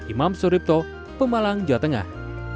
imam suripto pemalang jawa tengah